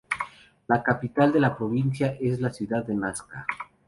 La capital de la provincia es la ciudad de Nasca.